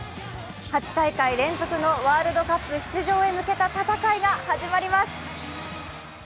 ８大会連続のワールドカップ出場へ向けた戦いが始まります。